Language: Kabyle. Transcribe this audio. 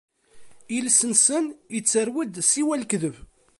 Iles-nsen ittarew-d siwa lekdeb.